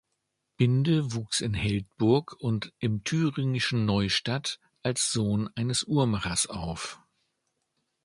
Binde wuchs in Heldburg und im thüringischen Neustadt als Sohn eines Uhrmachers auf.